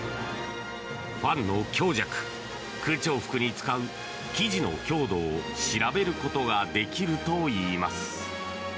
ファンの強弱空調服に使う生地の強度を調べることができるといいます。